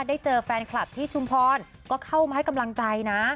ได้เจอแฟนคลับที่ชุมพรก็เข้ามาให้กำลังใจนะ